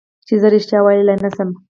چې زه رښتیا ویلی نه شم.